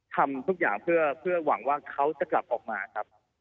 ทำทุกอย่างเพื่อหวังว่าเขาจะกลับออกมาครับ